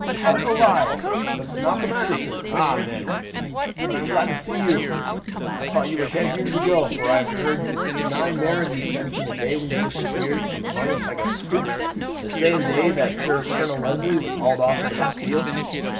"Heart alive, but it's Malcolm Anderson! Eh, man, but I am glad to see you! I thought you were dead years ago, for I have heard nae mair of you since the day when you disappeared from among us like a spook, the same day that puir Colonel Leslie was hauled off to the Bastille.